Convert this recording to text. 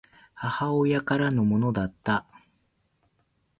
母親からのものだった